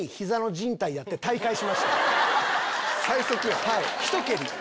最速やん！